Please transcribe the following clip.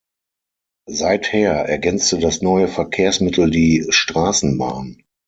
Seither ergänzte das neue Verkehrsmittel die Straßenbahn.